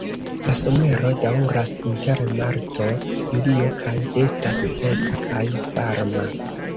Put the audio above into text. La somero daŭras inter marto-julio kaj estas seka kaj varma.